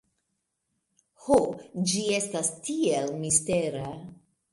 Ho, ĝi estas tiel mistera